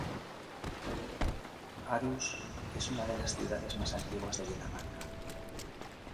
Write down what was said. Aarhus es una de las ciudades más antiguas de Dinamarca.